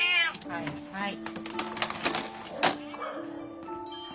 はいはい。